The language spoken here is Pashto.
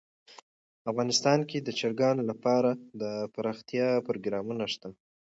افغانستان کې د چرګانو لپاره دپرمختیا پروګرامونه شته.